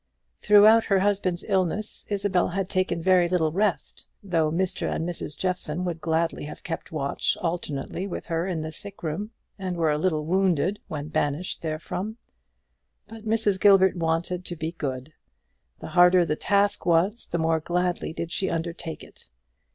Throughout her husband's illness, Isabel had taken very little rest; though Mr. and Mrs. Jeffson would gladly have kept watch alternately with her in the sick room, and were a little wounded when banished therefrom. But Mrs. Gilbert wanted to be good; the harder the task was, the more gladly did she undertake it.